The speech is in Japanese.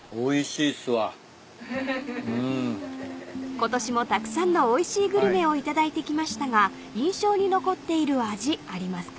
［ことしもたくさんのおいしいグルメを頂いてきましたが印象に残っている味ありますか？］